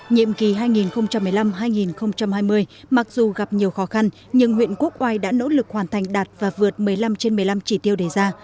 nhiệm kỳ hai nghìn một mươi năm hai nghìn hai mươi mặc dù gặp nhiều khó khăn nhưng huyện quốc oai đã nỗ lực hoàn thành đạt và vượt một mươi năm trên một mươi năm chỉ tiêu đề ra